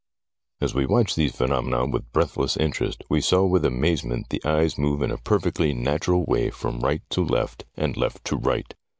As we watched these phenomena with breathless interest we saw with amazement the eyes move in a perfectly natural way from right to left and left to right.